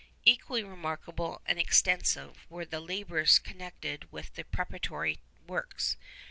Equally remarkable and extensive were the labours connected with the preparatory works.